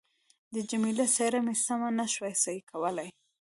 د جميله څېره مې سمه نه شوای صحیح کولای.